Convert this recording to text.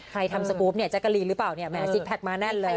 ใครทำสโปร์ฟเนี่ยแจ๊กกะลีหรือเปล่าเนี่ยแสดงมานั่นเลย